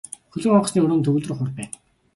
Хөлөг онгоцны өрөөнд төгөлдөр хуур байна.